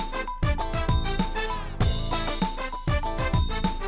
ตอนต่อไป